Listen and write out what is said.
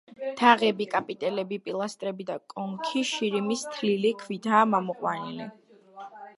თაღები, კაპიტელები, პილასტრები და კონქი შირიმის თლილი ქვითაა ამოყვანილი.